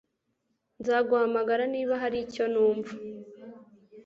Nzaguhamagara niba hari icyo numva